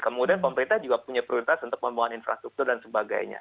kemudian pemerintah juga punya prioritas untuk pembangunan infrastruktur dan sebagainya